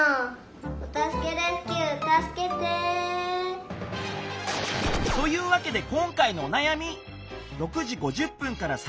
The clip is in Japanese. お助けレスキューたすけて！というわけで今回のおなやみ！